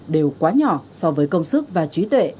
đều quá nhỏ so với công sức và trí tuệ